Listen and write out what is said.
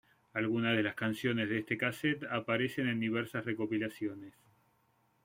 Algunas de las canciones de este casete aparecen en diversas recopilaciones.